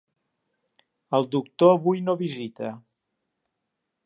El doctor avui no visita.